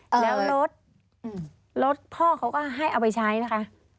แล้วรถรถพ่อเขาก็ให้เอาไปใช้นะคะ